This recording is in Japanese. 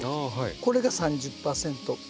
これが３０％。